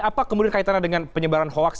apa kemudian kaitannya dengan penyebaran hoax